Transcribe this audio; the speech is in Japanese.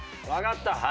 わかった！